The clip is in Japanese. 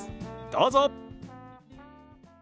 どうぞ。